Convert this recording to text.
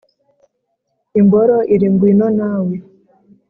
imboro iri ngwino nawe